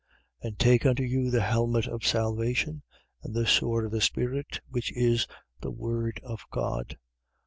6:17. And take unto you the helmet of salvation and the sword of the Spirit (which is the word of God).